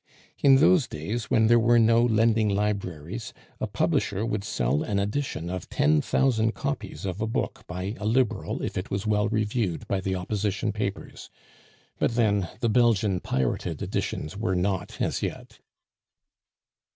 In those days, when there were no lending libraries, a publisher would sell an edition of ten thousand copies of a book by a Liberal if it was well reviewed by the Opposition papers; but then the Belgian pirated editions were not as yet.